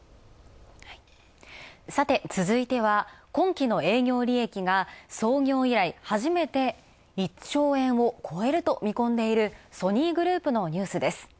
さて続いては、今期の営業利益が創業以来初めて１兆円を超えると見込んでいるソニーグループのニュースです。